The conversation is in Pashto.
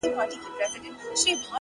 د ميني شر نه دى چي څـوك يـې پــټ كړي.!